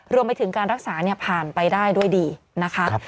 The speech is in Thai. รวมไปถึงการรักษาผ่านไปได้ด้วยดีนะคะ